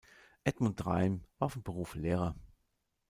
Edmund Reim war von Beruf Lehrer.